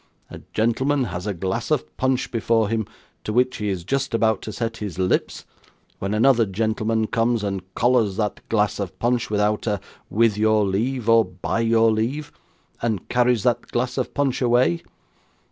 A gentleman has a glass of punch before him to which he is just about to set his lips, when another gentleman comes and collars that glass of punch, without a "with your leave", or "by your leave", and carries that glass of punch away.